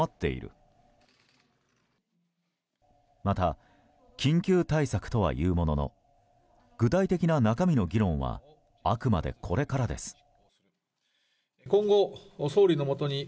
また、緊急対策とはいうものの具体的な中身の議論はあくまでこれからです。